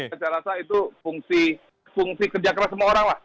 saya rasa itu fungsi kerja keras semua orang lah